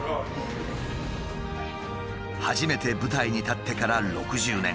初めて舞台に立ってから６０年。